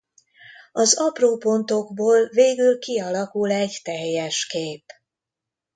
Az apró pontokból végül kialakul egy teljes kép.